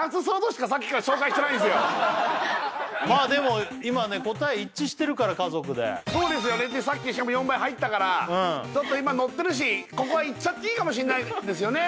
さっきからまあでも今ね答え一致してるから家族でそうですよねでさっきしかも４倍入ったから今のってるしここはいっちゃっていいかもしんないですよね